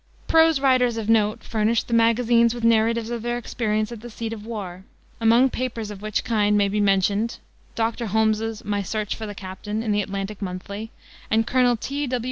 Prose writers of note furnished the magazines with narratives of their experience at the seat of war, among papers of which kind may be mentioned Dr. Holmes's My Search for the Captain, in the Atlantic Monthly, and Colonel T. W.